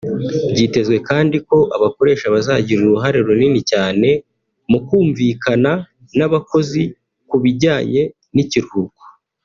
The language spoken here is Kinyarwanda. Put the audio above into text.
Byitezwe kandi ko abakoresha bazagira uruhare runini cyane mu kumvikana n’abakozi ku bijyanye n’ikiruhuko